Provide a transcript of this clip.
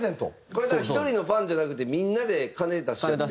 これだから１人のファンじゃなくてみんなで金出し合ってる？